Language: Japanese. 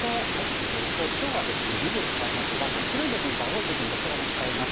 続いて今日はねぎを使いますがこの白い部分と青い部分どちらも使います。